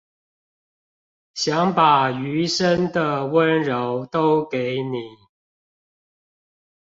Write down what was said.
想把餘生的溫柔都給你